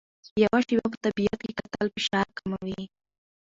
یو شېبه په طبیعت کې کتل فشار کموي.